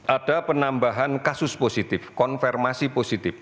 ada penambahan kasus positif konfirmasi positif